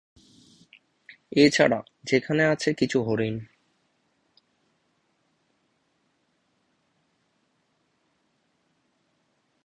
এছাড়া সেখানে আছে কিছু হরিণ।